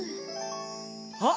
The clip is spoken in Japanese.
あっ！